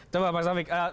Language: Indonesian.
coba pak samik